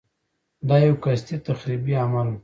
دا یو قصدي تخریبي عمل و.